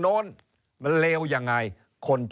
เริ่มตั้งแต่หาเสียงสมัครลง